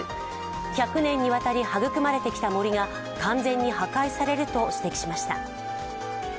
１００年にわたり育まれてきた森が完全に破壊されると指摘しました。